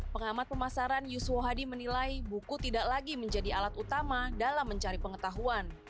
pengamat pemasaran yuswo hadi menilai buku tidak lagi menjadi alat utama dalam mencari pengetahuan